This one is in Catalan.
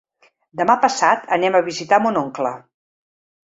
Demà passat anem a visitar mon oncle.